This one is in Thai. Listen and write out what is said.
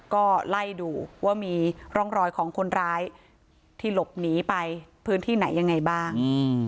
ก็ไล่ดูว่ามีร่องรอยของคนร้ายที่หลบหนีไปพื้นที่ไหนยังไงบ้าง